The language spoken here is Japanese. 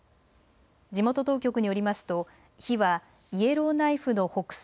地元当局によりますと火はイエローナイフの北西